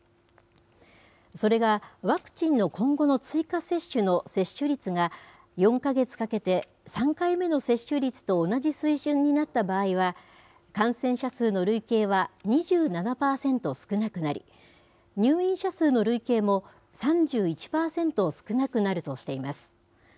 それが、ワクチンの今後の追加接種の接種率が、４か月かけて３回目の接種率と同じ水準になった場合は、感染者数の累計は２７％少なくなり、入院者数の累計も３１％少なくなるとしています。